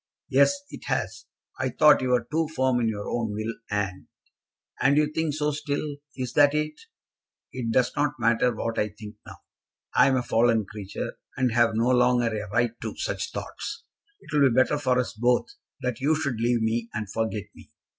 "Yes, it has. I thought you were too firm in your own will, and " "And you think so still. Is that it?" "It does not matter what I think now. I am a fallen creature, and have no longer a right to such thoughts. It will be better for us both that you should leave me, and forget me.